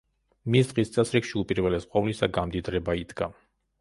მის დღის წესრიგში უპირველეს ყოვლისა გამდიდრება იდგა.